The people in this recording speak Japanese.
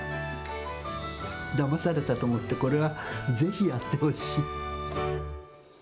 だまされたと思って、これはぜひやってほしい。